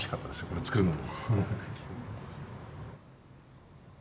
これ作るの。